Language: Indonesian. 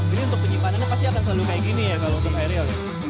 ini untuk penyimpanannya pasti akan selalu kayak gini ya kalau untuk ariel